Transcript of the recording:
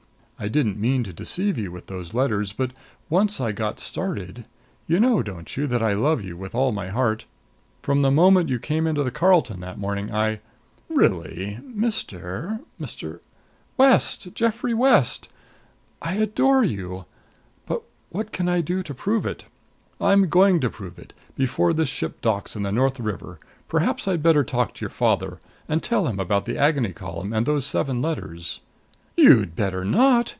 I didn't mean to deceive you with those letters; but, once I got started You know, don't you, that I love you with all my heart? From the moment you came into the Carlton that morning I " "Really Mr. Mr. " "West Geoffrey West. I adore you! What can I do to prove it? I'm going to prove it before this ship docks in the North River. Perhaps I'd better talk to your father, and tell him about the Agony Column and those seven letters " "You'd better not!